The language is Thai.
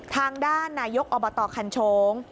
ทางด้านนายกอบตคันโชง